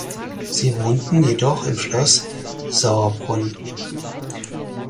Sie wohnten jedoch im Schloss Sauerbrunn.